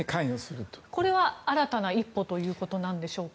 これは新たな一歩ということでしょうか？